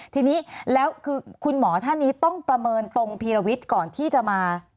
ทีนี้แล้วคือคุณหมอท่านนี้ต้องประเมินตรงพีรวิทย์ก่อนที่จะมา